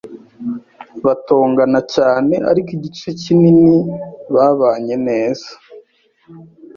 Batongana cyane, ariko igice kinini babanye neza.